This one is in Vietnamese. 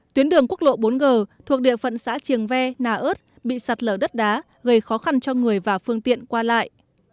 tuyến đường quốc lộ bốn g thuộc địa phận xã triềng ve nà ớt bị sạt lở đất đá gây khó khăn cho người và phương tiện qua lại